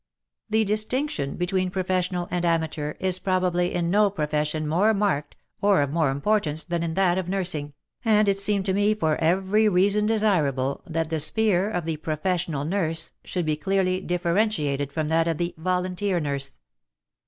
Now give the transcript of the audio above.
The distinction between professional and amateur is probably in no profession more marked or of more importance than in that of nursing, and it seemed to me for every reason desirable that the sphere of the professional nurse should be clearly differentiated from that of the volunteer nurse.